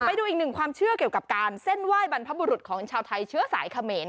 ไปดูอีกหนึ่งความเชื่อเกี่ยวกับการเส้นไหว้บรรพบุรุษของชาวไทยเชื้อสายเขมร